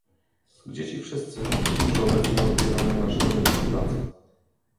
Gdzie ci wszyscy, którzy obecnie odbierają nasze miejsca pracy?